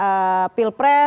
kemudian kita bicara tentang